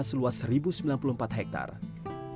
sejak tahun dua ribu sembilan belas